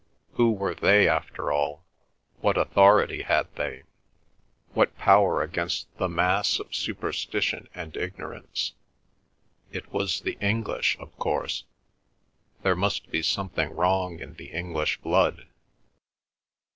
Who were they, after all—what authority had they—what power against the mass of superstition and ignorance? It was the English, of course; there must be something wrong in the English blood.